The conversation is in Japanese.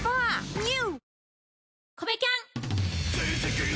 ＮＥＷ！